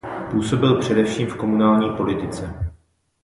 Působil především v komunální politice.